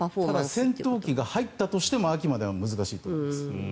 ただ、戦闘機が入ったとしても秋までは難しいと思います。